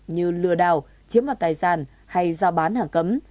như lừa đào chiếm vào tài sản hay giao bán hàng cơ